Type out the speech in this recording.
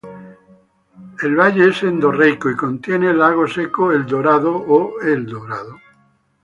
El valle es endorreico, y contiene el lago seco Eldorado o El Dorado.